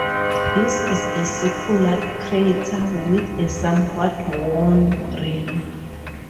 This is a circular crater with a somewhat worn rim.